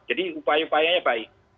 jadi upaya upayanya baik